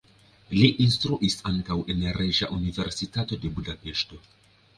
Li instruis ankaŭ en Reĝa Universitato de Budapeŝto.